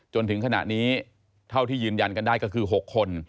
จนถึงขณะนี้เท่าที่ยืนยันกันได้ก็คือ๖คน